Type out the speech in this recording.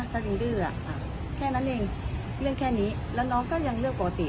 แสดงดื้ออ่ะอ่ะแค่นั้นเองเรื่องแค่นี้แล้วน้องก็ยังเลือกปกติ